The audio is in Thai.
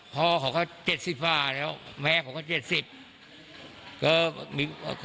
พ่อของเขาก็เจ็ดสิบค่าแล้วแม่ของเขาก็เจ็ดสิบ